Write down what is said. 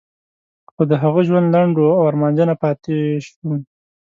خو د هغه ژوند لنډ و او ارمانجنه پاتې شوم.